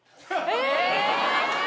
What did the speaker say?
え！